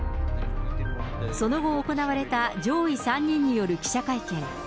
その後、行われた上位３人による記者会見。